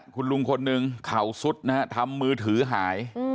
คุณลุงคนนึงเข่าสุดนะฮะทำมือถือหาย